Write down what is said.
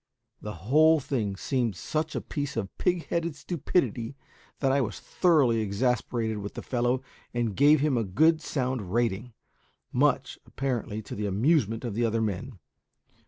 The whole thing seemed such a piece of pig headed stupidity that I was thoroughly exasperated with the fellow, and gave him a good sound rating; much, apparently, to the amusement of the other men.